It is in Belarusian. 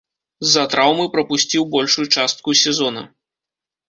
З-за траўмы прапусціў большую частку сезона.